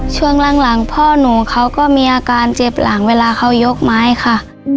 ช่วงหลังพ่อหนูเขาก็มีอาการเจ็บหลังเวลาเขายกไม้ค่ะ